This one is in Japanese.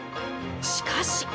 しかし。